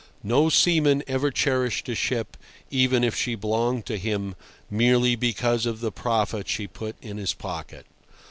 No seaman ever cherished a ship, even if she belonged to him, merely because of the profit she put in his pocket.